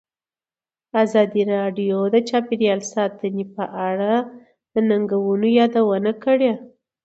ازادي راډیو د چاپیریال ساتنه په اړه د ننګونو یادونه کړې.